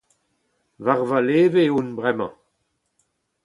War ma leve on bremañ.